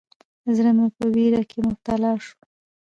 زړه مې په ویره کې مبتلا شو.